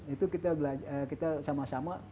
itu kita sama sama